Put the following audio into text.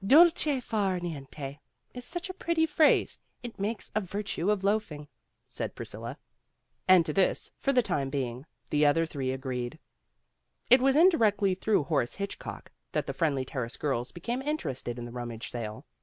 *'* DULCE FAR NIENTE ' is such a pretty phrase it makes a virtue of loafing," said Priscilla. 69 70 PEGGY RAYMOND'S WAY And to this, for the time being, the other three agreed. It was indirectly through Horace Hitchcock that the Friendly Terrace girls became interested in the Rummage Sale.